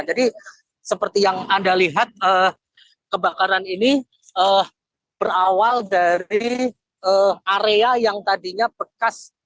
jadi seperti yang anda lihat kebakaran ini berawal dari area yang tadinya bekas